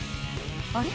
あれ？